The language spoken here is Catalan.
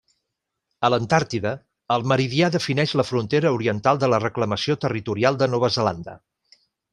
A l'Antàrtida, el meridià defineix la frontera oriental de la reclamació territorial de Nova Zelanda.